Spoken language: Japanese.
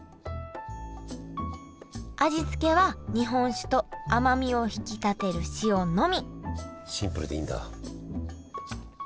味付けは日本酒と甘みを引き立てる塩のみシンプルでいいんだ。